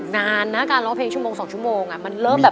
นานนะการร้องเพลงชั่วโมง๒ชั่วโมงมันเริ่มแบบ